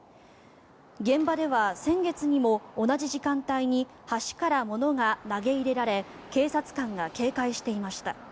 現場では先月にも同じ時間帯に橋から物が投げ入れられ警察官が警戒していました。